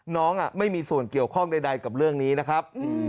น้องไม่มีส่วนเกี่ยวข้องใดกับเรื่องนี้นะครับ